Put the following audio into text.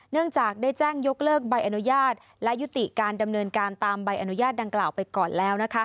เนื่องจากได้แจ้งยกเลิกใบอนุญาตและยุติการดำเนินการตามใบอนุญาตดังกล่าวไปก่อนแล้ว